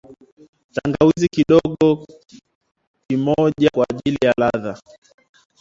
Tangawizi kidogo kimojaa kwaajili ya ladha